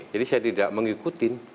jadi saya tidak mengikuti